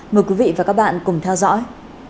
mời quý vị và các bạn cùng theo dõi